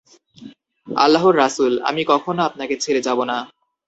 "আল্লাহর রাসুল, আমি কখনো আপনাকে ছেড়ে যাব না"